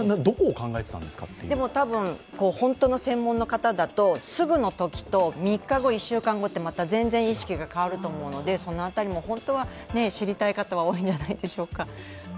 でもたぶん本当の専門家の方だと、すぐのときと３日後、１週間後と、全然意識は変わると思いますのでその辺りも本当は知りたい方は多いのではないでしょうか。